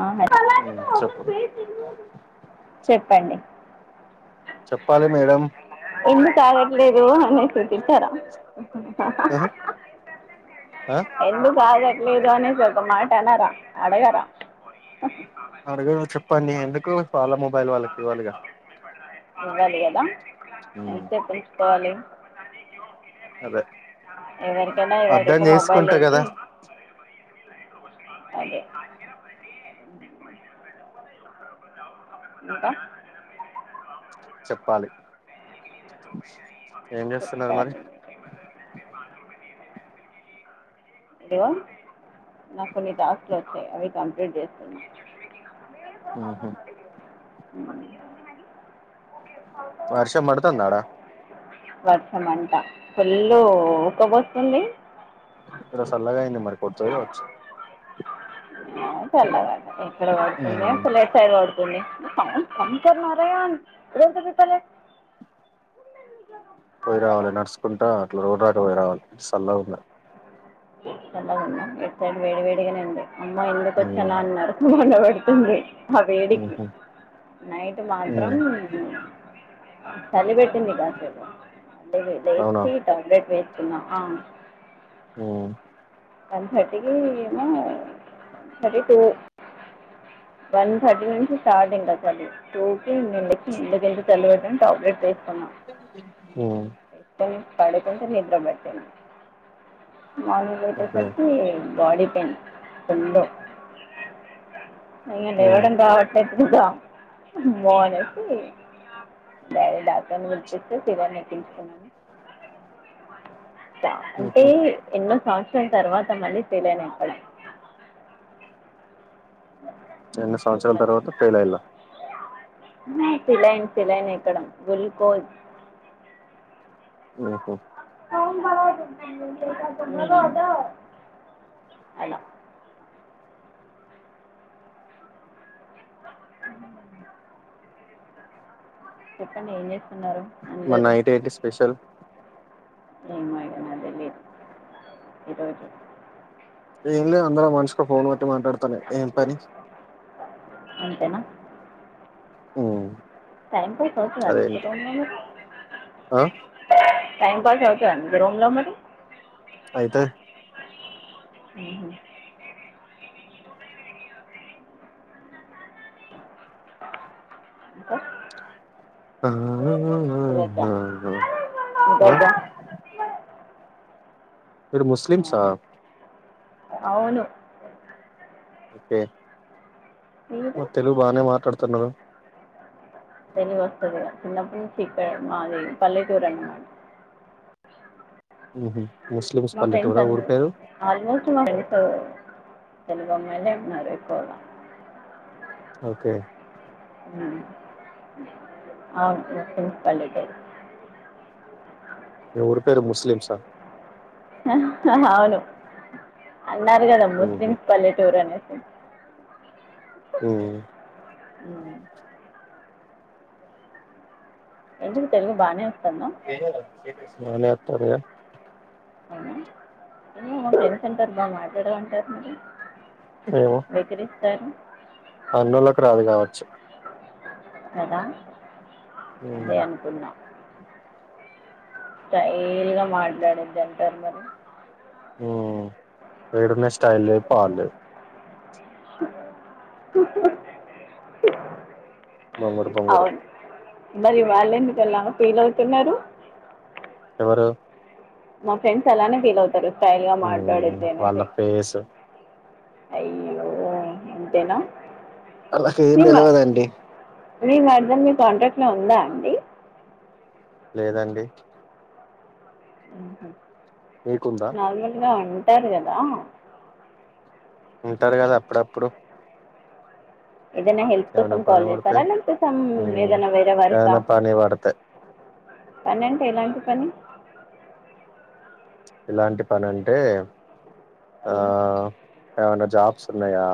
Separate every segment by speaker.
Speaker 1: ఆ
Speaker 2: ఉమ్, చెప్పు
Speaker 1: చెప్పండి
Speaker 2: చెప్పాలి మేడం
Speaker 1: ఎందుకు అగట్లేదు అనీ చెప్పారా ఎందుకు ఆగట్లేదు అనేసి ఒక మాట అనార అడగార
Speaker 2: అడుగారు చెప్పండి ఎందుకు వాళ్ళ మొబైల్ వాళ్ళకి ఇవ్వాలిగా
Speaker 1: అడగలి కదా
Speaker 2: ఉమ్,
Speaker 1: ఎంత పెంచుకోవాలి
Speaker 2: అదే
Speaker 1: ఎవరికైనా ఇవ్వాళ
Speaker 2: అర్థం
Speaker 1: రేపు మొబైల్
Speaker 2: చేసుకుంటా
Speaker 1: లేంది
Speaker 2: కదా
Speaker 1: అదే ఎంత
Speaker 2: చెప్పాలి ఏం చేస్తున్నారు మరి
Speaker 1: [inaudible] ఇగో నాకు కొన్ని టాస్క్లు వచ్చాయి అవి కంప్లీట్ చేస్తు మే కూడా
Speaker 2: ఉహు.
Speaker 1: పారు ఓకే
Speaker 2: వర్షం పడతందా అడా
Speaker 1: వర్షమంట ఫుల్ళు ఒక్కబోస్తుంది
Speaker 2: ఈడ చల్లగా అయింది మరి కొడుతదో కావచ్చు
Speaker 1: చల్లగా ఎక్కడ
Speaker 2: ఉమ్,
Speaker 1: పడుతుంది లట్ సైడ్ పడుతుంది కంతున్నారే రేపు రెపరె
Speaker 2: పోయి రావాలి నడుచుకుంటా అట్లా రోడ్ దాటి పోయి రావాలి చల్లగ ఉంది.
Speaker 1: చల్లగుందా ఇట్ సైడ్ వేడి వేడిగానే ఉంది అమ్మా ఎందుకు
Speaker 2: ఉమ్,
Speaker 1: వచ్చన అన్నారు పడుతుంది ఆ వేడికి
Speaker 2: ఉహు,
Speaker 1: నైట్ మాత్రం
Speaker 2: ఉమ్,
Speaker 1: చలి పెట్టింది కాసేపు
Speaker 2: అవునా
Speaker 1: లేపి టాబ్లెట్ వేస్తున్నా అవున్
Speaker 2: ఉ
Speaker 1: వన్ థర్టీకిఏమో థర్టీ టూ వన్ థర్టీ నుంచి స్టాటైంది అసలు టూకి [inaudible] టాబ్లెట్
Speaker 2: ఉమ్,
Speaker 1: పడకుంటే నిద్ర పట్టలె బాటిల్స్
Speaker 2: ఓకే
Speaker 1: పెట్టేసరికి బాడి పెయిన్స్ ఫుల్లు
Speaker 2: ఉమ్,
Speaker 1: [inaudible] రావట్లేదుగా బోనస్కి వేరే డాక్టర్ని పిలిపించి శిరంజీ ఎక్కించుకున్నాను అంటే
Speaker 2: ఉహు.
Speaker 1: ఎన్నో సంవ తర్వాత మళ్ళీ తెలియను ఇక్కడ
Speaker 2: రెండు సంవత్సరాల తర్వాత ఫైల్ అయిల్ల
Speaker 1: సేలైన్ సేలైన్ ఎక్కడం గ్లూల్కోజ్
Speaker 2: ఉహు
Speaker 1: ఫోన్ పాలగ్గొట్టద్ధండి అ చెప్పండి ఏం చేస్తున్నారు
Speaker 2: మరి
Speaker 1: అందరూ
Speaker 2: నైట్ ఏంటి స్పెషల్
Speaker 1: ఏం మేడం నాకు తెలీదు ఈరోజు
Speaker 2: ఏం లే అందరు మనిషికో ఫోన్ బట్టి మాట్లాడతనే ఏం పని
Speaker 1: అంతేనా
Speaker 2: మ్
Speaker 1: టైం పాస్ అవుతద మీకు రూమ్ లో మరి
Speaker 2: ఆ!
Speaker 1: టైం పాస్ అవుతద అండి మీ రూమ్ లో మరి
Speaker 2: ఆయితది
Speaker 1: మ్ హు ఇంకా
Speaker 2: అఆ..... తనాన ఆహ్!
Speaker 1: ఇదొద్దా
Speaker 2: మీరు ముస్లిమ్సా
Speaker 1: అవును
Speaker 2: ఓకే
Speaker 1: మీరు
Speaker 2: మరి తెలుగు బానే మాట్లాడుతున్నారు
Speaker 1: తెలుగు వస్తదిగా చిన్నప్పుడు ఇక్కడె మాది పల్లెటూరు అనమాట అ
Speaker 2: మ్ హు
Speaker 1: మా ఫ్రెండ్స్ అ ఆల్మోస్ట్ మా ఫ్రండ్స్ తెలుగు అమ్మాయిలే ఉన్నారు ఎక్కువగ
Speaker 2: ఓకే
Speaker 1: మ్ ఆవ్ ట్రెస్టింగ్ పల్లెటూరు
Speaker 2: మీ ఊరు పేరు ముస్లిమ్సా
Speaker 1: అవును అన్నారు కదా
Speaker 2: హుహు.
Speaker 1: ముస్లిమ్స్ పల్లెటూరు అనేసి
Speaker 2: మ్
Speaker 1: మ్ ఎందుకు తెలుగు బానే
Speaker 2: అనియ తెరియ
Speaker 1: అవునా ఏమో తెలుసు అంటారు బా మాట్లాడరు అంటారు మరి బెదిరిస్తారు
Speaker 2: అన్నోళ్ళకు రాదు కావచ్చు
Speaker 1: కదా అదే
Speaker 2: హ్మ్.
Speaker 1: అనుకున్నా స్టైల్ గా మాట్లాడిద్ది అంటారు మరి
Speaker 2: మ్ ఇడనే స్టైల్ లేదు పాడు లేదు బొంగురు బొంగురు
Speaker 1: అవును మరి వాళ్ళు ఎందుకు అలా ఫీల్ అవుతున్నారు
Speaker 2: ఎవరు
Speaker 1: మా ఫ్రెండ్స్ అలానే ఫీల్ అవుతారు స్టైల్ గా
Speaker 2: హ్మ్.
Speaker 1: మాట్లాడిద్ది
Speaker 2: వాళ్ళ
Speaker 1: అనేసి
Speaker 2: ఫేస్
Speaker 1: అయ్యో ఇంతేనా
Speaker 2: ఆళ్ళకి ఏం తెల్వదండి
Speaker 1: మీ మరదల్ మీ కాంటాక్ట్ లో ఉందా అండి
Speaker 2: లేదండి మీకుందా?
Speaker 1: నార్మల్గా ఉంటారు కదా
Speaker 2: ఉంటారు కదా అప్పుడప్పుడు
Speaker 1: ఏదైనా హెల్ప్ కోసం
Speaker 2: ఏమైనా
Speaker 1: కాల్
Speaker 2: పని పడితే.
Speaker 1: చేస్తారా లేపోతే సమ్
Speaker 2: హ్మ్.
Speaker 1: ఏదైనా వేరే వర్క్ ఆ
Speaker 2: ఏదైనా పని పడతాయి
Speaker 1: పని అంటే ఎలాంటి పని
Speaker 2: ఇలాంటి పని అంటే ఆ ఏవన్నా జాబ్స్ ఉన్నాయా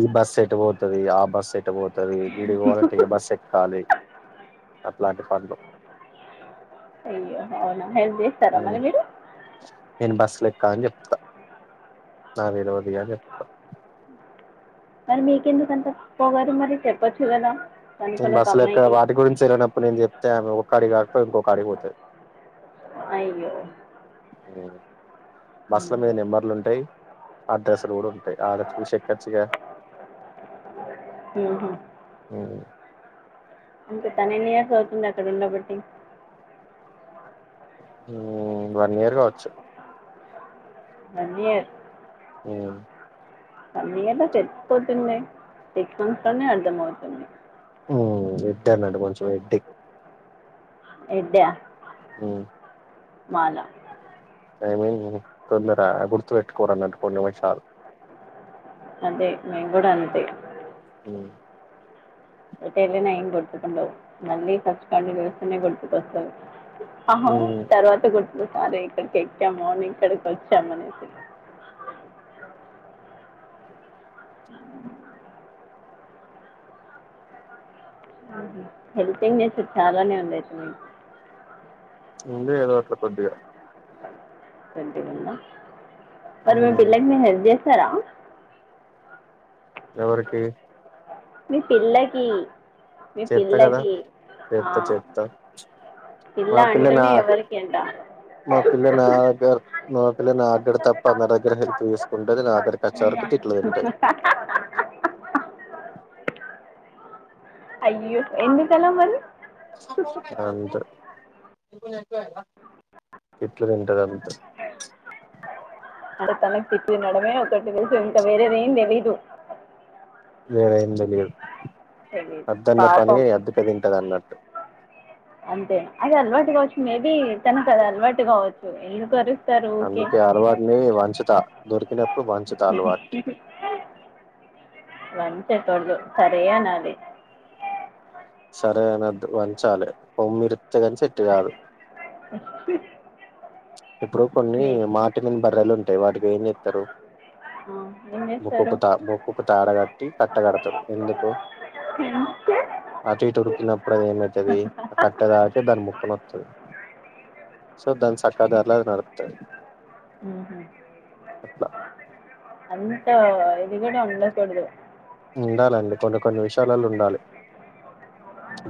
Speaker 2: ఈ బస్ ఎటు పోతది ఆ బస్ ఎట్ టు పోతది ఈడికి పోవాలి అంటే ఏ బస్ ఎక్కాలి అట్లాంటి పనులు
Speaker 1: అయ్యా అవునా హెల్ప్ చేస్తారా
Speaker 2: ఉమ్
Speaker 1: మరి మీరు
Speaker 2: నేను బస్సు లెక్కా అని చెప్తా నా వేలువ ఇక చెప్ప
Speaker 1: మరి మీకెందు కంత పొగరు మరి చెప్పొచ్చు కదా
Speaker 2: నేను
Speaker 1: కనుకొని ఒక
Speaker 2: బస్సులు ఎక్కడ
Speaker 1: అమ్మాయికి
Speaker 2: వాటి గురించి వెళ్ళినప్పుడు నేను చెప్తే ఆమె ఒ అడి కాకపో ఇంకొక కడికి పోతంది
Speaker 1: అయ్యో
Speaker 2: అయ్యో బస్సుల మీద నెంబర్లు ఉంటాయి అడ్రసులు కూడా ఉంటాయి ఆగా చూసి ఎక్కచ్చుగా
Speaker 1: హమ్ అంత తన ఎన్ని ఇయర్స్ అవుతుంది అక్కడ ఉన్నప్పటికీ
Speaker 2: ఉమ్ వన్ ఇయర్ కావచ్చు
Speaker 1: వన్ ఇయర్
Speaker 2: అవు
Speaker 1: అన్నీ అలా తెచ్చిపోతుందే తెచ్చట్లోనే అర్థంమవుతుంది
Speaker 2: ఉమ్ ఎడ్డనండి కొంచెం ఎడ్డి
Speaker 1: ఎడ్డి మాల
Speaker 2: ఐ మీన్ తొందర గుర్తు పెట్టుకోరున్నంటు కొన్ని నిమిషాలు
Speaker 1: అదే మేము కూడా అంతే
Speaker 2: అవునా
Speaker 1: ఎట్టు వెళ్ళిన ఏం కొట్టుకున్నాలు మళ్ళి ఫస్ట్ క నుంచే కొట్టుపోస్త
Speaker 2: మ్మ్
Speaker 1: తర్వాత కొట్టు ఒకసారి ఇక్కడికి ఎక్కాము అని ఇక్కడికి వచ్చాము అనేసి [unintelligible] అ హెల్పింగ్ నెస్ చాలానే ఉంది అయితే మీకు
Speaker 2: ఉంది ఏదో అట్లా కొద్దిగా
Speaker 1: మరి మీ
Speaker 2: మ్మ్
Speaker 1: పిల్లకి మీరు హెల్ప్ చేసా స్తారా
Speaker 2: ఎవరికి
Speaker 1: మీ పిల్లకి మీ
Speaker 2: చెత్త కదా
Speaker 1: పిల్లకి ఆ
Speaker 2: చెత్త చెత్త
Speaker 1: పిల్ల
Speaker 2: మా నా
Speaker 1: అంటనే ఎవరికి అంట
Speaker 2: మా పిల్ల నా దగ్గర మా పిల్ల నా అక్కడ తప్ప నా దగ్గర హెల్ప్ తీసుకుంటేది నా అక్కడ కచ్చరకు
Speaker 1: [unintelligible] అయ్యో ఎందుకలా మరి
Speaker 2: అంతే తిట్లు తింటారు అంతే
Speaker 1: స అంటే తనకు తిట్లూ తినడమే ఒకటి తెలుసు ఇంకా వేరేది ఏంది తెలీదు
Speaker 2: లేద ఏమి తెలీదు
Speaker 1: తెలీదు.
Speaker 2: అద్దన్న పని
Speaker 1: పాపం.
Speaker 2: అద్దక తింటది అన్నట్టు
Speaker 1: అంతే అది అలవాటు కావచ్చు మేబీ తను కది అలవాటు కావచ్చు ఎందుకోరు
Speaker 2: అందుకే అలవాటునే వంచుత దొరికినప్పుడు వంచుత అలవాటు
Speaker 1: వంచ కుడదు సరే అన్నాలి
Speaker 2: వంచాలే పొమ్మిరుస్తకని సెట్టు కాదు
Speaker 1: [unintelligible]
Speaker 2: ఇప్పుడు కొన్ని
Speaker 1: మీ
Speaker 2: మాటి వనని బర్రెలు ఉంటాయి వాటికి ఏం చెప్తారు
Speaker 1: ఆ ఏం
Speaker 2: ముక్
Speaker 1: చేస్తారు
Speaker 2: కు తా ముక్కుకు తాడగట్టి కట్టగడతరు ఎందుకు
Speaker 1: క
Speaker 2: అటు ఇటు ఉరికినప్పుడు అది ఏమైతుది ఆ కట్టె దాకే దాని ముక్కన వస్తుంది సో దన్ సక్కదు ఎలా నడుతది
Speaker 1: ఉహు అంత ఇది కుడా ఉండ కూడదు
Speaker 2: ఉండాలండి కొన్ని కొన్ని విషయాలలో ఉండాలి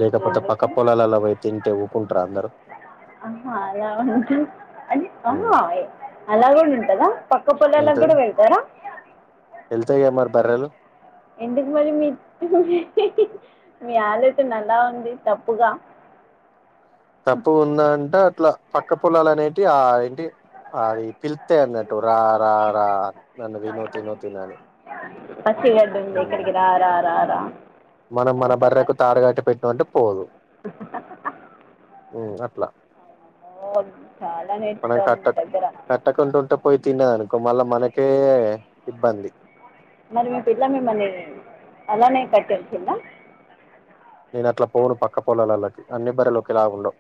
Speaker 2: లేకపోతే పక్క
Speaker 1: ఎందుకు
Speaker 2: పొలాలలో పోయి తింటే ఊరుకుంటారా అందరు
Speaker 1: అ అలా అంట [unintelligible] అలా కూడా ఉంటందా పక్క పొలల కి కూడా వెళ్తారా
Speaker 2: వెళ్తయ్ గా మరి బర్రెలు
Speaker 1: ఎందుకు మరి మీ మీ ఆలోచన ఆలా ఉంది తప్పుగా అవు
Speaker 2: తప్పు ఉంద అంటే అట్లా పక్క పొలలు అనేటివి ఆ ఏంటి అది పిల్ యఅన్నట్టు రా రా రా నన్న తిను తిను తినో అని
Speaker 1: పచ్చగడ్డి ఉంది
Speaker 2: ఉమ్.
Speaker 1: ఇక్కడికి రా రా ర
Speaker 2: మనం మన బర్రెకు తాడు కట్టి పెట్టిన మంటే పోదు అట్లా
Speaker 1: అమ్మో చాలా
Speaker 2: మనం
Speaker 1: నేర్చుకోవాలి మీ
Speaker 2: కట్టక
Speaker 1: దగ్గర
Speaker 2: కట్టకుండా ఉంటే పోయి తిన్నదనుకో మళ్ళా మనకి కే ఇబ్బంది
Speaker 1: మరి మీ పిల్ల మిమ్మల్ని అలానే కట్టేసిందా
Speaker 2: నేను అట్ల పోను పక్క పోలాల లోకి అన్ని బర్రెలు ఓకేలా ఉండవు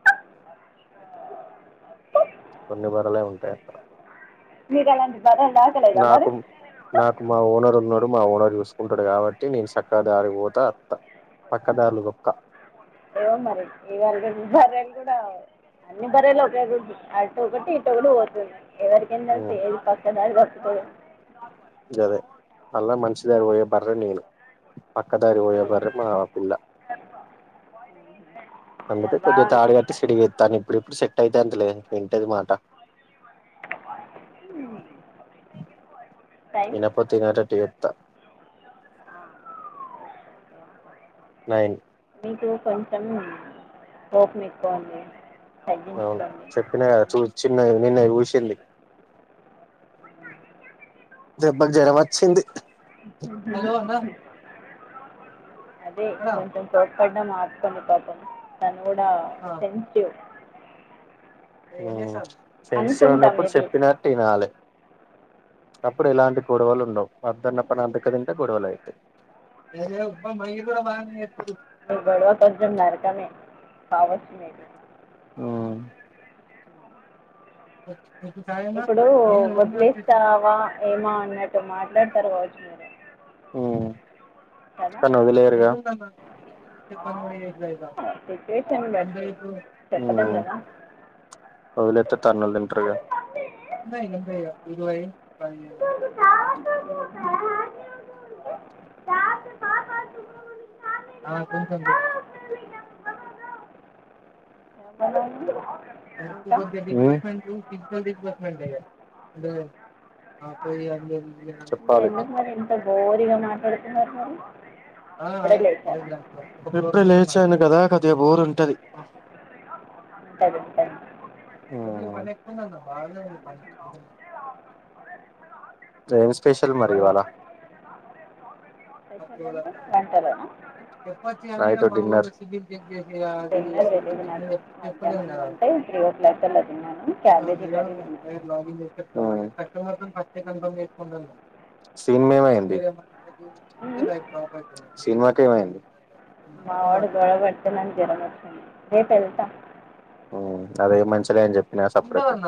Speaker 1: [inaudible]
Speaker 2: కొన్ని బర్రెలే ఉంటాయి అక్కడ
Speaker 1: మీకు అలాంటి బర్రెలు దాకలేదా
Speaker 2: నాకు
Speaker 1: మరి
Speaker 2: నాకు మా ఓనర్ ఉన్నా మా ఓనర్ చూసుకుంటాడు కాబట్టి నేను చక్క దారి పోత అట్ట పక్కదారులు తోక్క
Speaker 1: ఏవో మరి ఇయాన్ రేపు ఈ బర్రె కూడా అన్ని బర్రె లు ఒకే రూట్ అటు ఒకటి ఇటు ఒకటి పోతది ఎవరికిి ఎం తెలుసు
Speaker 2: ఉమ్
Speaker 1: ఏది పక్కదారి పట్తదో
Speaker 2: ఇదే అలా మంచి గా పోయే బర్రె ను నేను పక్కదారి పోయే బర్రె మా పిల్ల అందుకే కొద్దిగా
Speaker 1: బాగుంది
Speaker 2: తాడు కట్టి సిడిగిెస్తాను ఇప్పుడు ఇప్పుడు అట్టయితే అంతలేదు వింటది మాట
Speaker 1: టైం
Speaker 2: వినకపోతే వినేటట్టు చేప్తా నైన్
Speaker 1: మీకు కొంచెం కోపం ఎక్కువండీ
Speaker 2: అవును చెప్పినా కదా చూ చిన్న నిన్న చూసింది దెబ్బకి జ్వరం వచ్చింది
Speaker 1: అదే కొంచెం పడిన మార్చుకుంది పాపం తన కూడా సెన్సిటివ్
Speaker 2: సెన్సిటివ్
Speaker 1: అనుకుంటా
Speaker 2: ఉన్నప్పుడు
Speaker 1: మేబీ
Speaker 2: చెప్పినట్టు ఈనాలే అప్పుడు ఎలాంటి గొడవలు ఉండవు వద్దన్నప్డు అంతక తింటే గొడవలు అయితయి అదే ఉప్మా మా అయ్య కూడా బానే చేతడు
Speaker 1: అ గొడవ కొంచెం నరకమే కావచ్చు మీకు
Speaker 2: హుమ్ అఓ [inaudible]
Speaker 1: ఇప్పుడు వదిలేస్తావా ఏమా అన్నట్టు మాట్లాడతారు వాళ్ళు
Speaker 2: కానీ వదిలేయరు గా
Speaker 1: సిచ్యువేషన్ బట్టి చెప్పలేం
Speaker 2: ఉమ్
Speaker 1: కదా
Speaker 2: వదిలేస్తే తన్నులు తింటారు గా అ అంటయి ఇరువ పది [inaudible] ఆ కొంచెం బెట్టు
Speaker 1: [inaudible] ఇంకా
Speaker 2: డిపార్మెట్ డిపార్మెట్ంట చెప్పాలి
Speaker 1: పోరిగా మాట్లాడుతున్నారు మరి ఇప్పుడే లేచారా
Speaker 2: ఇప్పుడు లేచాను కదా కొద్దిగా బోరు ఉంటది
Speaker 1: సరే సరె
Speaker 2: మకు బాగా ఇంకా ఏం స్పెషల్ ఉంటది మరి ఇవాళ
Speaker 1: స్పెషల్ ఏంట వంటలోనా
Speaker 2: చెప్ప దిసిన్ని
Speaker 1: తిన్నది తెలియదు నాకు మధ్యాహ్నం
Speaker 2: చెప్పలేంద
Speaker 1: అంటే త్రీ ఓ క్లాక్ అలా తిన్నాను క్యాబేజీ కర్రీ తిన్నాను
Speaker 2: సినిమా మేమయింది
Speaker 1: ఉమ్.
Speaker 2: సినిమాకేమైంది
Speaker 1: మావాడు గొడబడుతనని జరగచ్చంది రేపు వెళ్తాం
Speaker 2: అదే మంచిషలే అని చెప్పినా సపరేట్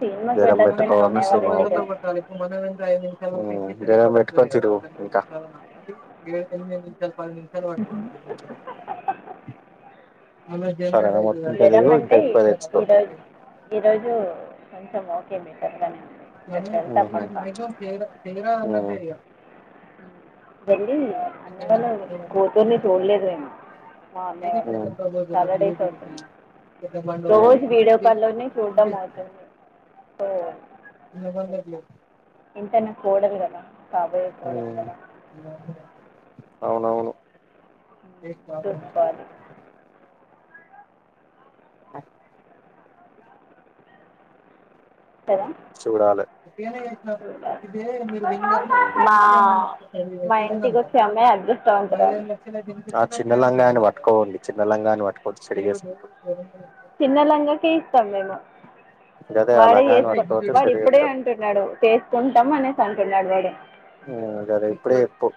Speaker 1: సినిమాకి
Speaker 2: జర
Speaker 1: వెళ్ళకపోయినా
Speaker 2: పెట్కో
Speaker 1: అన్నయ్య వాళ్ళ ఇంటికి వెళ్తా
Speaker 2: కొట్ట మనర ఇద పెట్టుకొనిచ్చరు ఇంకా పది నిమిషాలు పట్టలేదు [unintelligible] సరేైన మొత్తం ఇంట
Speaker 1: జ్వరం
Speaker 2: తెగు ఇకా
Speaker 1: అంటే ఈ-
Speaker 2: ఎక్కువ తెచ్చుకో
Speaker 1: ఈరోజు ఈరోజు కొంచెం ఓకే బెటర్గానే ఉంది రేపు వెళ్తా పక్కా
Speaker 2: అ అ
Speaker 1: వెళ్ళీ అన్నవాళ్ళ కూతుూర్ని చూడలేదు నేను ఆ అన్న వాళ్ళ చతుంది సాలడేస్ అవుతుంది రోజు వీడియో
Speaker 2: చెక్ చేసి చిక్ చేస్త
Speaker 1: ఓ
Speaker 2: ఇన్న బందరి
Speaker 1: ఇంత నా కూూడదు కదా కాబోయే కోడలు కదా
Speaker 2: అవునవును
Speaker 1: ఉమ్,
Speaker 2: ఏ ప్రబ్లం
Speaker 1: చూసుకోవాలి
Speaker 2: ఆ
Speaker 1: కదా
Speaker 2: చూడాలి
Speaker 1: చూడాలి
Speaker 2: ఇదే మీరు వింగర్లు ఇప్పుడు
Speaker 1: మా
Speaker 2: సీఎ
Speaker 1: మా
Speaker 2: విధంగా
Speaker 1: ఇంటికి
Speaker 2: ఉన్నారు
Speaker 1: వచ్చే అమ్మాయి అదృష్టవంతురాలు
Speaker 2: చిన్నలంగా అ వా పట్టుకోండి చిన్న లంగాని పట్టుకోవచ్చు చెడిగేసు
Speaker 1: చిన్న లంగాక ఇస్తాంలేేమ
Speaker 2: గదే ఆ
Speaker 1: వాడే
Speaker 2: లంగాని
Speaker 1: చేసుకు వాడు ఇప్పుడే
Speaker 2: చేస్తాడు
Speaker 1: అంటున్నాడు చేసుకుంటాం అనేసి అంటున్నాడు వాడే
Speaker 2: ఆ గదే ఇప్పుడే చెప్పు